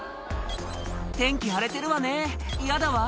「天気荒れてるわね嫌だわ」